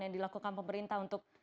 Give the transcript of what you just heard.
yang dilakukan pemerintah untuk